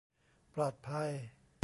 ปลอดภัย